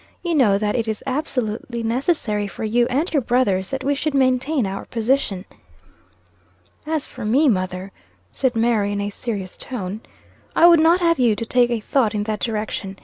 You know that it is absolutely necessary for you and your brothers, that we should maintain our position." "As for me, mother," said Mary, in a serious tone, "I would not have you to take a thought in that direction.